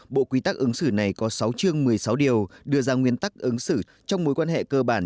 bộ quy tắc ứng xử này có sáu chương một mươi sáu điều đưa ra nguyên tắc ứng xử trong mối quan hệ cơ bản